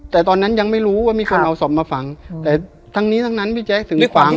แต่ตอนนั้นยังไม่รู้ว่ามีคนเอาศพมาฝังแต่ทั้งนี้ทั้งนั้นพี่แจ๊คถึงฝัง